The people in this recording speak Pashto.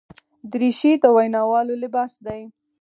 دریشي د ویناوالو لباس دی.